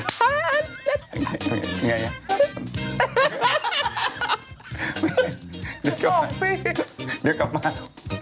เดี๋ยวก่อนสินี่กลับบ้าน